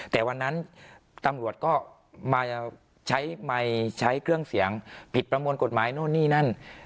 แต่วันนั้นตำรวจก็มาใช้ไมค์ใช้เครื่องเสียงผิดประมวลกฎหมายนู่นนี่นั่น